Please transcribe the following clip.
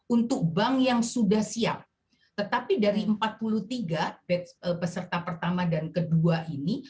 untuk bank yang sudah siap tetapi dari empat puluh tiga peserta pertama dan kedua ini